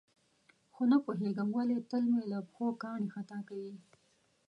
خو نه پوهېږم ولې تل مې له پښو کاڼي خطا کوي.